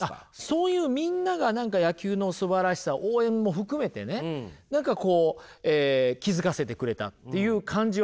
そういうみんなが何か野球のすばらしさ応援も含めてね気付かせてくれたっていう感じはしますよね。